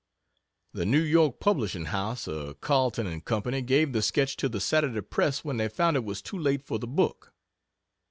The New York publishing house of Carleton & Co. gave the sketch to the Saturday Press when they found it was too late for the book.